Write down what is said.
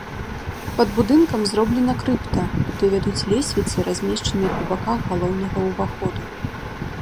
Пад будынкам зроблена крыпта, куды вядуць лесвіцы, размешчаныя па баках галоўнага ўваходу.